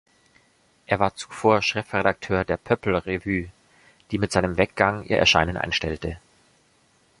Er war zuvor Chefredakteur der Pöppel-Revue, die mit seinem Weggang ihr Erscheinen einstellte.